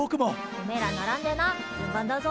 おめえら並んでな順番だぞ。